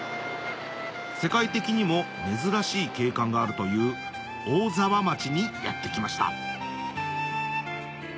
世界的にも珍しい景観があるという大沢町にやって来ました